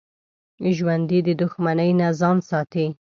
ژوندي د دښمنۍ نه ځان ساتي